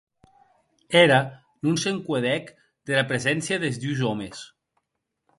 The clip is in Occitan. Era non se n’encuedèc dera preséncia des dus òmes.